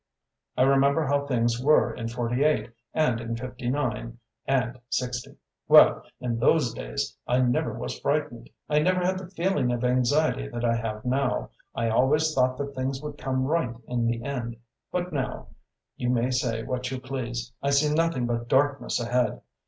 I remember how things were in forty eight, and in fifty nine and sixty; well, in those days I never was frightened, I never had the feeling of anxiety that I have now; I always thought that things would come right in the end. But now, you may say what you please, I see nothing but darkness ahead.